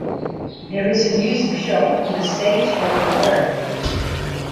There is a music show on a stage over water.